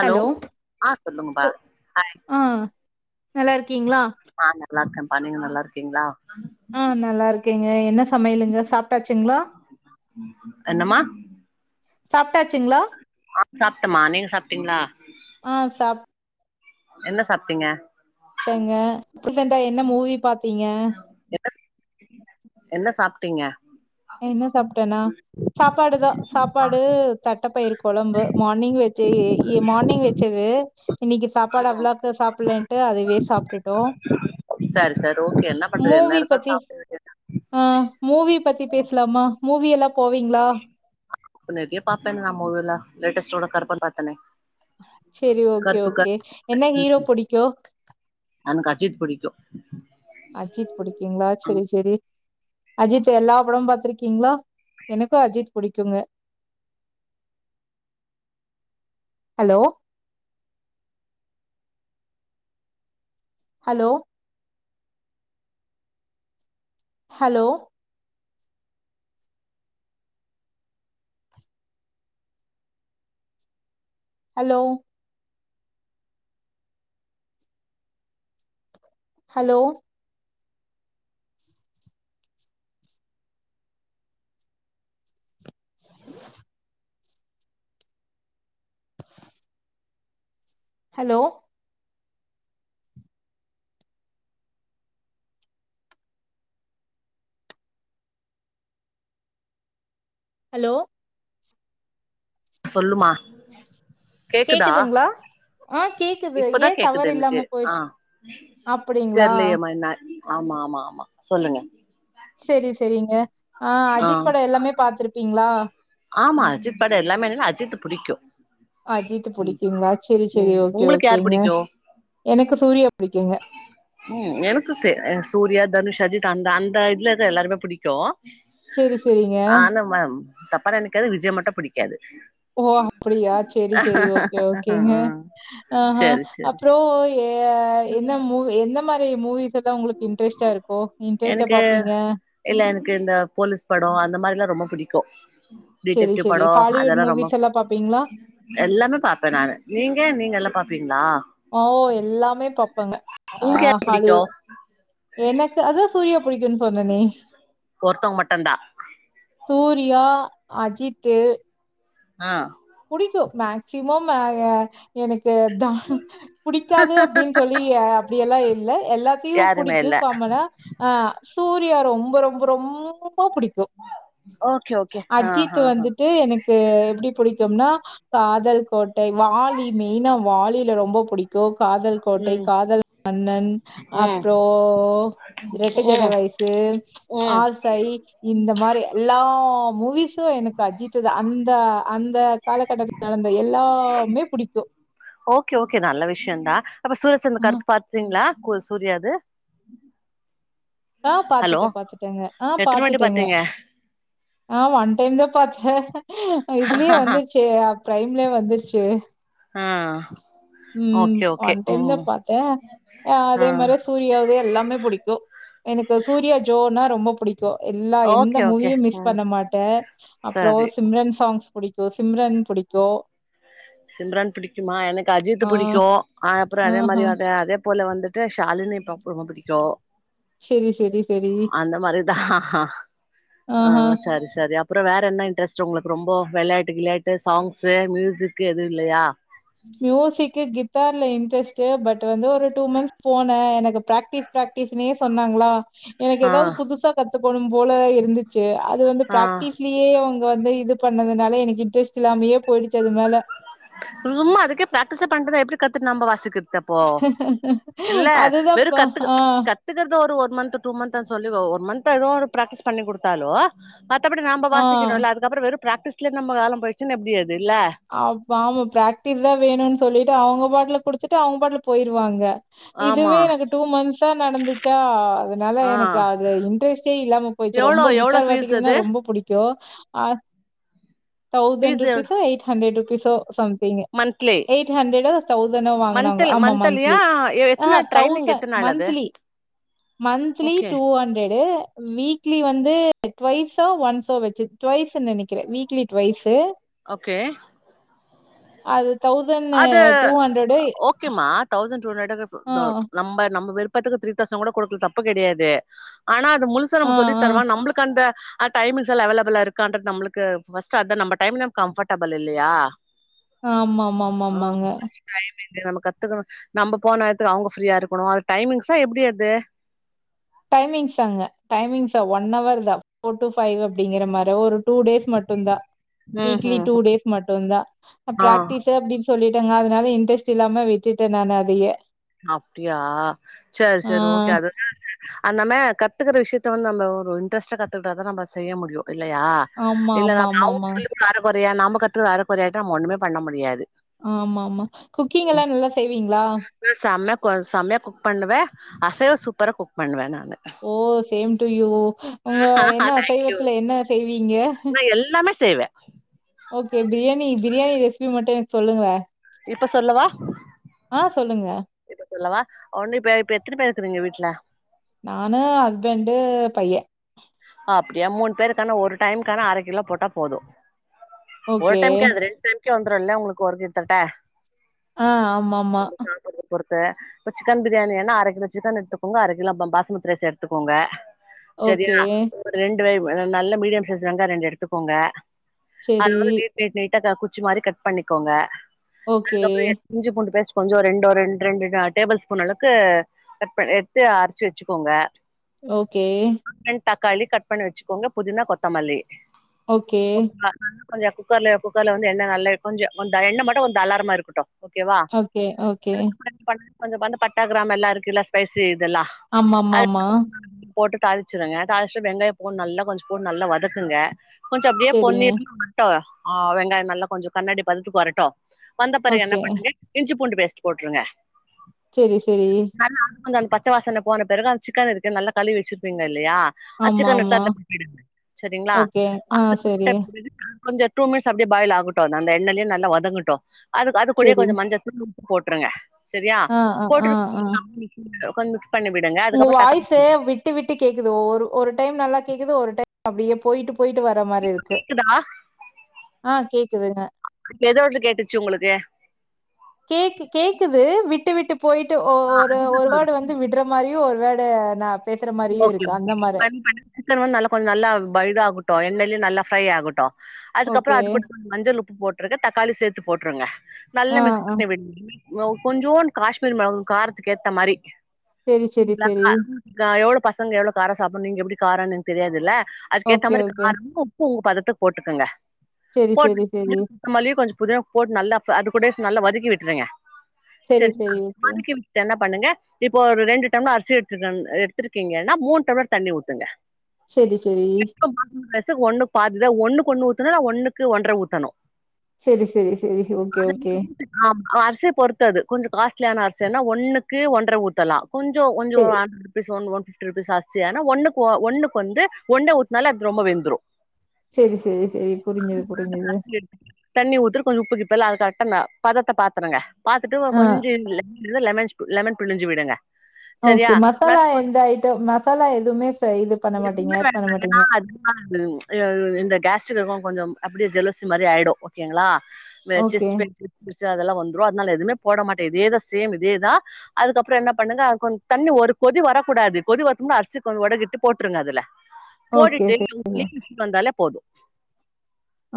Hello ஆ சொல்லுங்கப்பா hi ஆ நல்லா இருக்கீங்ளா அ நல்ல இருக்கேமா நீங்க நல்லா இருக்கீங்ளா ஆ நல்லா இருக்கேங்க என்ன சமையலுங்க சாப்ட்டாச்சுங்ளா என்னம்மா சாப்ட்டாச்சுங்ளா ஆ சாப்ட்டம்மா நீங்க சாப்ட்டீங்ளா ஆ சாப் என்ன சாப்ட்டீங்க சாப்டங்க ரீசண்ட்டா என்ன என்ன மூவி பாத்தீங்க என்ன என்ன சாப்ட்டீங்க என்ன சாப்ட்டேனா சாப்பாடுதா சாப்பாடு தட்டைப்பயிர் கொழம்பு மா நீங்க வச்சேயே எ மார்னிங் வச்சது இன்னைக்கி சாப்பாடு ம் அவ்ளக்கு சாப்டலண்ட்டு அதுவே சாப்ட்டுட்டோ சார் ஓகே என்ன பண்றது என்ன மூவி இருக்க பத்தி சாப்ட வேண்டியதா ஆ மூவி பத்தி பேசல்லாமா மூவி எல்லா போவீங்களா முன்னருக்கே பாப்பேன் நா மூவில லேட்டஸ்டோட கருப்பன் பாத்தேனே சேரி ஓகே ஓகே என்ன ஹீரோ புடிக்கு எனக் அஜித் புடிக்கு அஜித் புடிக்கீங்ளா ஆமா செரி செரி அஜித் எல்லா படமும் பாத்திருக்கீகளா எனக்கு அஜித் புடிக்குங்க hello hello hello hello hello hello hello சொல்லுமா கேக்குதா கேக்குதுங்களா ஆ கேக்குது ஏ இப்பதா டவர் கேக்குது எனக்கு இல்லாம ஆ போயிடுச்சு அப்டிங்களா தெர்லையம்மா என்ன ஆமா ஆமா ஆமா சொல்லுங்க செரி செரிங்க ஆ அஜித் பட எல்லாமே பாத்துருப்பீங்ளா ஆமா அஜித் பட எல்லாமே இல்ல அஜித் புடிக்கு அஜித் ம் புடிக்குங்ளா செரி ம் செரி ஓகே உங்களுக்கு யார் ஓகேங்க புடிக்கு எனக்கு சூர்யா புடிக்குங்க ம் எனக்கு சே சூர்யா தனுஷ் அஜித் அந்த அந்த இதுல எ எல்லாருமே புடிக்கு செரி செரிங்க ஆனா மேம் தப்பா நெனைக்காத விஜய் மட்டு பிடிக்காது ஓ அப்டியா செரி செரி ஓகே ஓகேங்க ஆஹ சரி சரி அப்பறோ எ என்ன மூவ் என்ன எந்த மாரி மூவிஸ் எல்லா உங்களுக்கு இன்ட்ரஸ்டா இருக்கு இன்ட்ரஸ்டா எனக்கு பாப்பீங்க இல்ல எனக்கு இந்த போலீஸ் படோ அந்த மாரியெல்லா ரொம்ப புடிக்கு சரி, டிடெக்டிவ் சரி. படோ ஹாலிவுட் அதெல்லா ரொம்ப மூவிஸ் எல்லாம் பார்ப்பீங்களா? எல்லாமே பாப்பே நானு நீங்க நீங்க ச எல்லா பாப்பீங்ளா ஓ! எல்லாமே பார்ப்பங்க. ஆ உங்ளுக்கு யார புடிக்கு ஹாலிவுட் எனக்கு அதா சூர்யா புடிக்குன்னு சொன்னனே ஒருத்தவங்க மட்டுந்தா சூர்யா அஜித்து ஆ புடிக்கு மேக்சிமம் ஆ எனக்கு த புடிக்காது அப்டின்னு சொல்லி ஆ அப்டி எல்லா இல்ல எல்லாத்தையு யாருமே புடிக்கு இல்ல காமன்னா ஆ சூர்யா ரொம்ப ரொம்ப ரொம்ப புடிக் கு ஓகே ஓகே ஆ அஜித் ஆ ஆ வந்துட்டு எனக்கு எப்டி புடிக் னா காதல் கோட்டை வாலி மெய்னா வாலில ரொம்ப புடிக் கு காதல் கோட்டை ம் காதல் மன்னன் ம் அப்றோ ரெட்ட ஜட ம் வயசு ம் ஆஸ் சை இந்த மாரி எல்லா மூவிஸ்சு எனக்கு அஜித்தா அந்த அந் காலகட்டத்தில் நடந்த எல்லாமே புடிக்கு ஓகே ஓகே நல்ல விஷ்யந்தா அப்ப அ. சூரியஸ்சனுக்கு அடுத்து பார் ங்களா கு சூர்யா இது அ பாத்துட்ட பாத்துட்டேங்க ஆ எத்தன வாட்டி பாத்துட்டேங்க பாத்தீங்க ஆ ஒன் டைம் தா பாத்த இதுலியே வந்துருச்சு அ ப்ரைம்ல வந்துருச்சு அ ம் ஒன் டைம் தா பாத்தே ஆ அதே மார்ய சூர்யாவ்தே எல்லாமே புடிக்கு தோ எனக்கு சூர்யா ஜோ னா ரொம்ப புடி கு எல்லா எந்த ஓகே ஓகே மூவியு மிஸ் ம் பண்ண மாட்டே அப்றோ சரி சிம்ரன் சாங்ஸ் புடிக்கு சிம்ரன் புடிக்கு சிம்ரான் புடிக்குமா எனக்கு அஜித்து ஆ புடிக்கு அ அப்புற அதே மாரி ஆஹா அத அதே போல வந்து த்ர ஷாலினி பம்ப் புடிக்கு செரி செரி செரி அந்த மாரிதா ஆ ஆஹா சாரி ஸ் சரி அப்ற வேற என்ன இன்ட்ரெஸ்ட் உங்ளுக் ரொம்போ வெள்யாட்டு கிள்யாட்டு சாங்ஸு மியூசிக் எதுவு இல்லயா மியூசிக்கு கிட்டார்ல இன்டஸ்ட்டு பட் வந்து ஒரு டூ மந்த்ஸ் போன எனக்கு ப்ராக்டிஸ் ப்ராக்டிஸ்னே சொன்னாங்ளா எனக்கு ஆ எதாவ்து புதுசா கத்துகோணும்போல இருந்துச்சு அது வந்து ஆ ப்ராக்டிஸ் லியே அவுங்க வந்து இது பண்ணதுனால எனக்கு இன்ட்ரெஸ்ட் இல்லாமயே போய்டுச்சு அது மேல சும்மா அதுக்கே ப்ராக்டிஸ்ஸே பண்ட்டுருந்தா எப்ப கத்துட் நம்ப வாசிக்கிற்து அப் போ இல்ல வெறு அதுதாப்பா கத்துக ஆ கத் த்துக்கற்து ஒரு ஒன் மந்த்து டூ மந்த்னு சொல்லிகோ ஒரு மந்த் எதோ ஒரு ப்ராக்டிஸ் பண்ணி குடுத்தாலோ மத்தபடி நாம்ப ஆ வாசிக்கிணு இல்ல அதுக்கப்புற வெறு ப்ராக்டிஸ்லே நம்ப வேல போயிட்ச்சுன் எப்டி அது இல்ல ஆப் ஆமா ப்ராக்டித் தா வேணுன் சொல்லிட்டு அவுங்க பாட்ல குடுத்துட்டு அவுங்க பாட்ல போயிருவாங்க ஆமா இதுவே எனக்கு டூ மந்த்ஸ்ஸா நடந்துச்சா அதனால ஆ எனக்கு அதுல இன்ட்ரெஸ்ட்டே இல்லாம போயிச்சி எவ்ளோ ரொம்போ எவ்ளோ கித்தார் ஃபீஸ் வாசிக்கிதுன்னா அது ரொம்ப புடி க்யோ அ தௌசண்ட் ஃபீஸ் எவ்ளோ ருப்பீஸ்சோ எயிட்ஹண்ட்ரெட்ருப்பீஸ்சோ சம் திங் மந்த்லி எயிட்ஹண்ட்ரெடோ தௌசண்னோ வாங்னாங்க மந்த்ல் ஆமா மந்த்லியா மந்த்லி எத்தன ட்ரைனிங் தௌசண் எத்தன நாள் அது monthly monthly okay two hundred weekly வந்து ட்வைஸோ ஒன்ஸோ வச்சு ட்வைஸ்ன்னு நெனக்கிற வீக்லி ட்வைஸு ஓகே அது தௌசண்னு டூ ஹண்ட்ரடு கே மா தெளசண்ட் டூ ஹண்ட்ரெட் [unintelligible] நம்ப நம்ப விருப்பத்துக்கு த்ரீ தெளசண் கூட குடுக்குல தப்பு கெடையாது ஆனா அது முழு சோ ஆ, நம்ளு சொல்லி ஆ. தரவா நம்ப்ளுக்கு அந்த அ டைமிங்ஸ்ல்லா அவைலபுளா இருக்கான்றது நம்ளுக்கு ஃபர்ஸ்ட் அத நம்ப டைம் நம் கம்பஃப்டபிள் இல்லயா ஆம்மாமமமாங்க டைம் என்ன நம்ம கத்துக்கணு நம்ப போன நேரத்துக்கு அவுங்க ஃப்ரீயா இருக்குணு அது டைமிங்ஸா எப்டி அது டைமிங்ஸ் அங்க டைமிங்ஸ ஒன் அவர் தா ஃபோர் டு ஃபைவ் அப்டிங்கற மாரி ஒரு டூ டேஸ் மட்டுந்தா ம் வீக்லி ம் டூ டேஸ் மட்டுந்தா அ ஆஹ் ப்ராக்டிஸ அப்டி சொல்லிட்டங்க அதுனால இன்டஸ்ட் இல்லாம விட்டுட்ட நானு அதயே அப்டியா சேர் சரி ஓகே அது யா சே அந்தமே கத்துக்குற விஷ்யத்த வந்து நம்ப ஒரு இன்ட்ரஸ்ட்டா கத்துக்குட்டா தா நம்ப செய்ய முடியு இல்லயா ஆமா, இல்லங்க ஆமா, ஆமாமா. அவுங் [inaudible] அரகொறையா நாம்ப கத்துகுது அரகொற ஆயிட்டா நம்ப ஒன்னுமே பண்ண முடியாது ஆமாமா குக்கிங் எல்லா நல்லா செய்வீங்ளா ம் சம்ய கொ சம்யா குக் பண்ணுவே அசைவ சூப்பரா குக் பண்ணுவே நானு ஓ சேம் டு யூ உங்க ஆஹா என்ன தேங்க்யூ அசைவத்துல என்ன செய்வீங்க நா எல்லாமே செய்வே ஓகே பிரியாணி பிரியாணி ரெசிபி மட்டு எனக் சொல்லுங்ள இப்ப சொல்லவா ஆ சொல்லுங்க இப்ப சொல்லவா ஒன்னு இப்ப இப்ப எத்தன பேர் இருக்றீங்க வீட்ல நானு ஹஸ்பண்ட்டு பைய அப்டியா மூணு பேருக்கானா ஒரு டைம்கானா அரை கிலோ போட்டா போது ஒரு ஓகே. டைம்கே அது ரெண்டு டைம்கே வந்துருல்ல உங்களுக்கு ஒரு கை தட்ட ஆ ஆமா ஆமா சாப்படுறத பொறுத்த இப்ப சிக்கன் பிரியாணி எனா அரை கிலோ சிக்கன் எடுத்துக்கோங்க அரை கிலோ பம் பாஸ்மதி ரைஸ் எடுத்துக்கோங்க ஓகே. செரியா ஒரு ரெண்டு வெய் ஒ நல்லா மீடியம் சைஸ் வெங்கா ரெண்டு எடுத்துக்கோங்க அத சரி. வந்து நீட் நீட் நீட்டா குச்சி மாரி கட் பண்ணிக்கோங்க ஓகே. அதுக்கப்ரோ எ இஞ்சி பூண்டு பேஸ்ட் கொஞ்சோ ஒரு ரெண்டு ரெண்டு ரெண்டுடா டேபிள் ஸ்பூன் அளவுக்கு கட் பன் எடுத்து அரச்சி வச்சிக்கோங்க ஓகே வென் தக்காளி கட் பண்ணி வச்சிக்கோங்க புதினா கொத்தமல்லி ஓகே. [unintelligible] நல்லா கொஞ்ச குக்கர்ல குக்கர்ல வந்து எண்ண நல்லா கொஞ்சோ எண்ணெ மட்டு கொஞ்சோ தாரலமா இருக்கட்டு ஓகேவா ஓகே, ஓகே. [unintelligible] கொஞ்ச வந்து பட்ட கிராம்ப எல்லா இருக்குல்ல ஸ்பைசி இதெல்லா ஆம்மா ஆம்மா அது ஆம்மா போட்டு தாளிச்சிடுங்க தாளிச்சிட்டு வெங்காயோ பூண்டு நல்லா கொஞ்ச பூண்டு நல்லா வதக்குங்க கொஞ்ச அப்டியே சரிங்க. பொன்னீநிறமா [unintelligible] ட்ட ஆ வெங்காயோ நல்லா கொஞ்சோ கண்ணாடி பதத்துக்கு வரட்டு வந்த பிறகு என்ன ஓகே. பண்ணுங்க இஞ்சி பூண்டு பேஸ்ட் போட்டுருங்க செரி செரி அது அது வந்து அந்த பச்ச வாசன போன பிறகு அந்த சிக்கன் இருக்கு நல்லா கழுவி வச்சிருப்பீங்க இல்லயா அச்சக்கண்ணு ஆமாமா. எடுத்து போட்டுங்க சரிங்களா ஓகே. ஆ அதுக்கு சரி, [unintelligible] கொஞ்ச டூ மினிட்ஸ் அப்டியே பாயில் ஆகட்டு அந்த எண்ணெய்யிலையே நல்லா வதங்கட்டு அதுக்கு அது கூடே சரி. கொஞ்ச மஞ்ச [inaudible] போட்டுருங்க சரியா ஆ, ஆ, ஆ, ஆ. போட்டுருக்கு [inaudible] மிக்ஸ் பண்ணிவிடுங்க உங்க அதுக்கப்ரோ வாய்ஸு தக்காளி [unintelligible] விட்டு விட்டு கேக்குது ஒ ஒரு டைம் நல்லா கேக்குது ஒரு டைம் அப்படியே போயிட்டு போயிட்டு வர இந்த மாரி இருக்கு கேக்குதா ஆ கேக்குதுங்க ஆ எதவச்சி கேட்டுச்சு உங்ளுக்கு கேக் கேக்குது விட்டு விட்டு போயிட்டு ஒ ஒ ஆ ஒரு அதுதா ஒரு சொல்ற வேர்ட் வந்து விடுற மாரியு ஒரு வேர்ட் நா பேசுற மாரியு இருக்கு அந்த மாரே சிக்கனு வந்து நல்லா கொஞ்ச நல்லா பைடு ஆகட்டு எண்ணெய்லே நல்லா ஃப்ரை ஆகட்டு அதுக்கப்ரோ ஓகே. அது கூட கொஞ் மஞ்சள் உப்பு போட்டுருக்கு தக்காளி சேர்த்து போட்டுருங்க நல்லா ஆ, மிக்ஸ் ஆ. பண்ணி விடு [inaudible] இன்னோ கொஞ்சோடு காஷ்மீர் மிளகா காரத்துக்கு ஏத்த மாதிரி செரி செரி செரி [unintelligible] கா எவ்ளோ பசங்க எவ்ளோ காரோ சாப்டு நீங்க எப்டி காரனு எனக்கு தெரியாதுல்ல அதுக்க ஏத்த ஓகே மாதிரி ஓகே கார ரொம்போ உப்பு உங்க பதத்து போட்டுக்கங்க செரி செரி செரி போட்டு [inaudible] மல்லி கொஞ்ச புதினா போட்டு நல்லா ப அது கூட நல்லா வதக்கி விட்டுருங்க செரி செரிங்ளா செரி ஓகே வதக்கி தென்ன பண்ணுங்க இப்போ ஒரு ரெண்டு டம்ளர் அரிசி எடுத்து எடுத்திருக்கீங்கன்னா மூணு டம்ளர் தண்ணி ஊத்துங்க செரி செரி ம் அரிசி ஒன்னு பாதிதா ஒன்னுக்கு ஒன்னு ஊத்தணு ஒன்னுக்கு ஒன்றரை ஊத்தணு செரி செரி செரி ஓகே ஓகே ஆம் அரிசிய பொறுத்தது கொஞ்சோ காஸ்ட்லியான அரிசி சென்னா ஒன்னுக்கு ஒன்றரை ஊத்தலா கொஞ்சோ கொஞ்சோ செரி அ ஒன் ஒன் பிப்டி ருபீஸ் ஆச்சி ஏனா ஒன்னு ஒன்னு வந்து ஒன்ட உத்துனாலு அது ரொம்ப வெந்துரு செரி செரி செரி புரிஞ்சிது புரிஞ்சிது தண்ணி ஊத்திட்டு கொஞ்ச உப்புக்கிப்பல்லா அது கரெக்டா ந பதத்த பாத்துருங்க பாத்துட்டு ஆ கொஞ்ச லெமன் ஸ் லெமன் பிழிஞ்சு விடுங்க ஓகே சரியா ந மசாலா எந்த ஐட்டம் மசாலா எதுமே இது பண்ண மாட்டீங்க எதுவுமே ஏட் பண்ண மாட்டீங்க [unintelligible] இந்த கேஸ்ட்ரிக் இருக்கு கொஞ்சம் அப்டியே ஜெல்லசி மாரி ஆய்டு ஓகேங்களா இந்த ஓகே செஸ்ட் பெயின் [inaudible] அதெல்லா வந்துரு அதனால எதுமே போட மாட்டே இதேதா சேம் இதேதா அதுக்கப்றோ என்ன பண்ணுங்க கொன் தண்ணி ஒரு கொதி வரக்கூடாது கொதி வரத்க் முன்ன அரிசி கொஞ் ஒடகிட்டு போட்ருங்க அதுல ஓகே போட்டுட்டு செரி [inaudible] வந்தாலே போது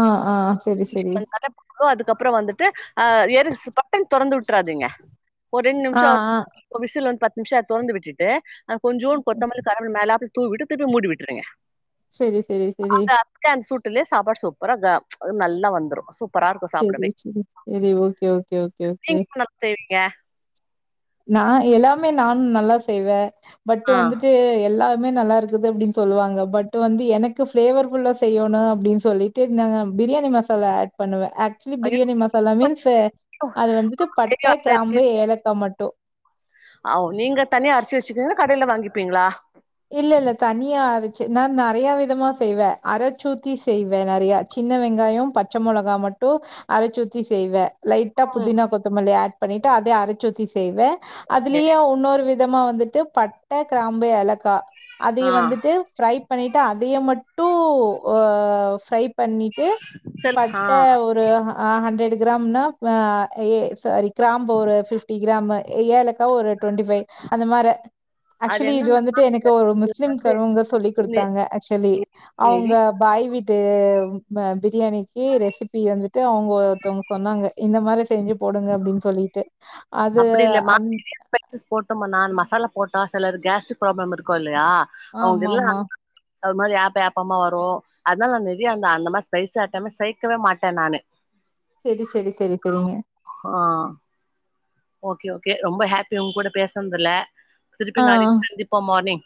ஆ ஆ செரி செரி [inaudible] அதுக்கப்றோ வந்துட்டு அ எரி பட்டுன் தொறந்து விட்றாதிங்க ஒரு ரெண்டு ஆ நிம்ஷோ ஆ [inaudible] விசில் வந்து பத்து நிமிஷோ அத தொறந்து விட்டுட்டு அது கொஞ்சு கொத்தமல்லி [unintelligible] மேலாப்ல தூவி விட்டு திருப்பி மூடி விட்டுருங்க செரி செரி செரி அக்கா அந்த சூட்டலே சாப்பாடு சூப்பரா இதா ஒரு நல்லா வந்துரு சூ செரி செரி செரி ஓகே ஓகே ஓகே ஓகே செரிக்கா நா எல்லாமே நானு நல்லா செய்வே பட்டு் ஆ வந்துட்டு எல்லாமே நல்லா இருக் குது அப்டின் சொல்லுவாங்க பட்டு வந்து எனக்கு ஃப்ளேவர் ஃபுல்லா செய்யோணு அப்டின் சொல்லிட்டு இந்த பிரியாணி மசாலா ஏட் பண்ணுவே ஆக்சுலி ஐயோ பிரியாணி மசாலா மீன்ஸ் அது வந்துட்டு பட்ட கிராம்பு ஏலக்கா மட்டு ஓ நீங்க தனியா அரிச்சி வெச்சுக்கீங்கா கடைல வாங்கிப்பீங்ளா இல்லல்ல தனியா ஆரச்சு நா நறையா விதமா செய்வே அரச்சூத்தி செய்வே நெறையா சின்ன வெங்காயோ பச்ச மெளகா மட்டு அரச்சூத்தி செய்வே லைட்டா ம் புதினா கொத்தமல்லி ஆட் பண்ணிட்டு அதே அரச்சூத்தி செய்வே ஓகே அதுலியே உன்னொரு வி தமா வந்துட்டு பட்ட கிராம்பு ஏலக்கா அதிய ஆ வந்துட்டு ஃப்ரை பண்ணிட்டு அதை மட்டு அ ஃப்ரை பண்ணிட்டு சரி ஆ பட்ட ஒரு அ ஹண்ட்ரட் கிராம்ன அ ஏ சாரி கிராம்பு ஒரு ஃபிஃப்டி கிராமு ஏலக்கா ஒரு ட்வெண்டி ஃபைவ் அந்த மார அது ஆக்சுலி இது என்னன்னா வந்துட்டு எனக் கு ஒரு இதுல முஸ்லிம் வந்து கருவங்க சொல்லி் நெ குடுத்தாங்க ஆக்சுலி நெ நெய் அவுங்க பாய் வீட்டு அ பிரியாணிக்கு ரெசிபி வந்துட்டு அவுங்க ஒருத்தவங்க சொன்னாங்க இந்த மாரி செஞ்சு போடுங்க அப்டின் சொல்லீட்டு அப்டி இல்லமா [inaudible] பைசஸ் போட்டமன்னா மசாலா போட்டா சிலருக்கு கேஸ்ட்ரிக் ப்ராப்ளம் இருக்கு இல்லையா அவுங்க இல்ல ஆமாமா. [inaudible] ஒரு மாரி ஏப்ப ஏப்பமா வரு அதனால நிதி அந்த அந்த மார ஸ்பைசி ஆட்டமே சேக்கவே மாட்டே நானு செரி செரி செரி செரிங்க ஆ ஓகே ஓகே ரொம்ப ஹேப்பி உங்க கூட பேசுனதுல திருப்பி ஆ, நாளைக்கு சந்திப்போ மார்னிங்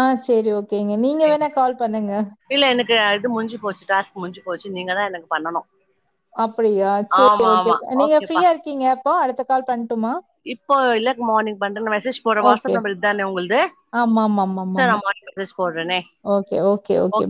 ஆ செரி ஓகேங்க நீங்க வேணா கால் பண்ணுங்க இல்ல எனக்கு இது முடிஞ்சு போச்சு டாஸ்க் முஞ்சு போச்சு நீங்க தா எனக்கு பண்ணனு அப்டியா செரி ஆமா ஓகே ஆமா நீங்க ஓகேப்பா ஃப்ரீயா இருக்கீங்க அப்போ அடுத்த கால் பண்டுமா இப்போ இல்லக்கு மார்னிங் பண்றே நா மெசேஜ் போட்ற ஓகே. வாட்ஸ்அப் நம்பர் இத்தானே உங்கள்து செரி நா ஆமாமாமாமா. மார்னிங் மெஸ்சேஜ் போட்றனே ஓகே ஓகே